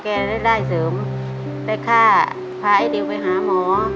ได้ได้เสริมได้ค่าพาไอ้ดิวไปหาหมอ